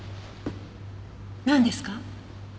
なんですか？